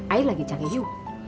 aku lagi cari yu